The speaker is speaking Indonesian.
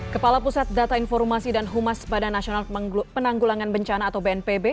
kepala pusat data informasi dan humas badan nasional penanggulangan bencana atau bnpb